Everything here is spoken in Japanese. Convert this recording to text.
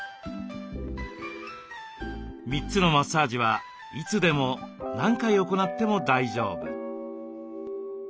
３つのマッサージはいつでも何回行っても大丈夫。